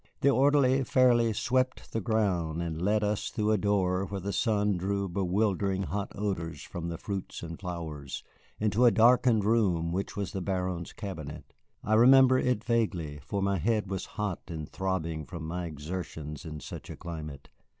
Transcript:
The orderly fairly swept the ground and led us through a court where the sun drew bewildering hot odors from the fruits and flowers, into a darkened room which was the Baron's cabinet. I remember it vaguely, for my head was hot and throbbing from my exertions in such a climate.